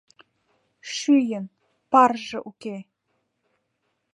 Шӱйын, парже уке.